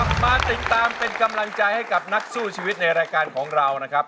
มาติดตามเป็นกำลังใจให้กับนักสู้ชีวิตในรายการของเรานะครับ